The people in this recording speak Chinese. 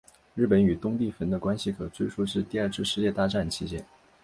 日本与东帝汶的关系可追溯至第二次世界大战期间。